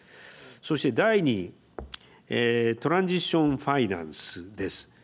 そして第２にトランジッションファイナンスです。